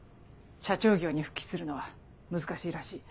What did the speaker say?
社長業に復帰するのは難しいらしい。